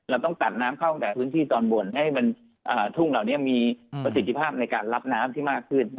เราต้องตัดน้ำเข้าแต่พื้นที่ตอนบนให้มันทุ่งเหล่านี้มีประสิทธิภาพในการรับน้ำที่มากขึ้น